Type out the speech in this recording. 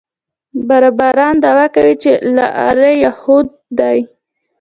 بربران دعوه کوي چې له آره یهود دي.